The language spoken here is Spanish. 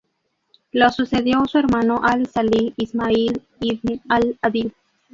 Lo sucedió su hermano al-Salih Ismail ibn al-Adil.